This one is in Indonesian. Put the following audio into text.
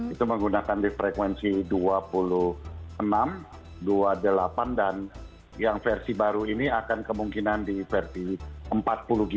itu menggunakan di frekuensi dua puluh enam dua puluh delapan dan yang versi baru ini akan kemungkinan di versi empat puluh g